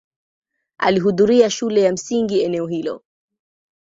Alihudhuria shule ya msingi eneo hilo.